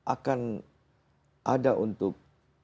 akan ada untuk